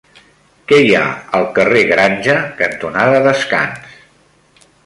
Què hi ha al carrer Granja cantonada Descans?